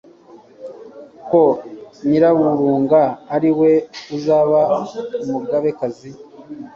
ko Nyiraburunga ari we uzaba umugabekazi